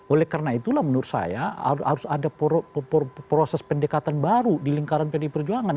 oleh karena itulah menurut saya harus ada proses pendekatan baru di lingkaran pdi perjuangan